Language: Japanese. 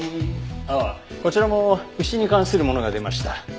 ああこちらも牛に関するものが出ました。